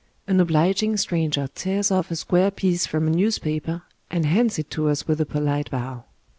An obliging stranger tears oS a square piece from a newspaper and hands it to us with a polite bow.